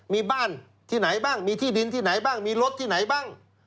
มีบ้านที่ไหนบ้างมีที่ดินที่ไหนบ้างมีรถที่ไหนบ้าง